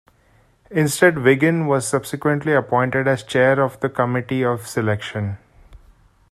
Instead Wiggin was subsequently appointed as Chair of the Committee of Selection.